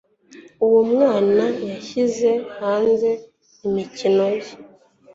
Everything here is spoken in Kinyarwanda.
Uwo mwana yashyize hanze imikino ye.